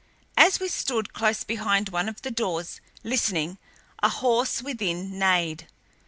As we stood close behind one of the doors, listening, a horse within neighed.